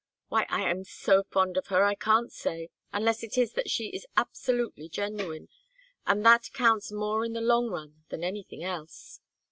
Why I am so fond of her I can't say, unless it is that she is absolutely genuine, and that counts more in the long run than anything else.